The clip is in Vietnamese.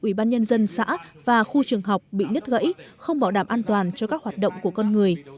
ủy ban nhân dân xã và khu trường học bị nứt gãy không bảo đảm an toàn cho các hoạt động của con người